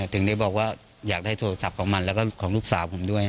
ถึงได้บอกว่าอยากได้โทรศัพท์ของมันแล้วก็ของลูกสาวผมด้วย